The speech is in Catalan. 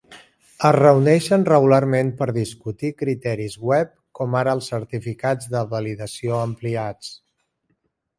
Es reuneixen regularment per discutir criteris web com ara els certificats de validació ampliats.